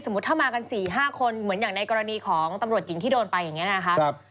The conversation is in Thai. ถ้ามากัน๔๕คนเหมือนอย่างในกรณีของตำรวจหญิงที่โดนไปอย่างนี้นะคะ